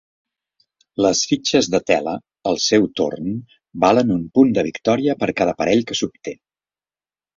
Les fitxes de tela, al seu torn, valen un punt de victòria per cada parell que s'obté.